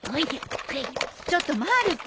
ちょっとまる子